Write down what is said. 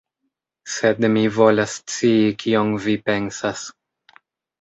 Sed mi volas scii kion vi pensas.